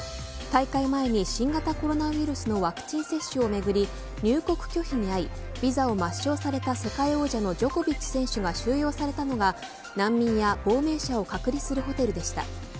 大会前に新型コロナウイルスのワクチン接種をめぐり入国拒否にあいビザを抹消された世界王者のジョコビッチ選手が収容されたのが難民や亡命者を隔離するホテルでした。